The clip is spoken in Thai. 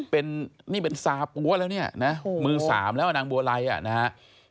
เป็นนี่เป็น๓ปัวแล้วเนี่ยนะมือ๓แล้วนางบัวไลซ์อ่ะนะฮะ